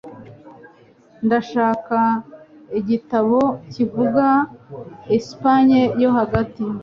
Ndashaka igitabo kivuga Espanye yo hagati.